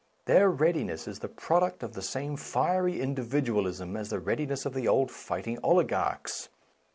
Their readiness is the product of the same fiery individualism as the readi ness of the old fighting oligarchs.